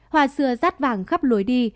hoa xưa rắt vàng khắp lối đi